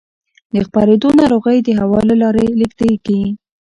د خپرېدو ناروغۍ د هوا له لارې لېږدېږي.